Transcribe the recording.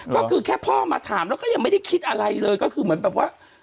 ก็คือแค่พ่อมาถามแล้วก็ยังไม่ได้คิดอะไรเลยก็คือเหมือนแบบว่า